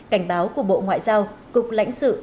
cảnh báo của bộ ngoại giao cục lãnh sự